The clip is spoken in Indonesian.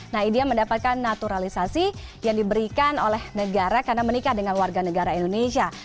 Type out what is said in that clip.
nah dia mendapatkan naturalisasi yang diberikan oleh negara karena menikah dengan warganegara indonesia